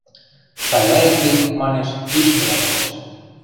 – Шаяэт гӹнь, – манеш, – пиш керӓл ылеш.